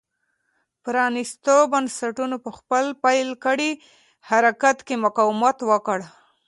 پرانېستو بنسټونو په خپل پیل کړي حرکت کې مقاومت وکړ.